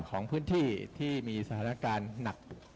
ของพื้นที่ที่มีสถานการณ์หนัก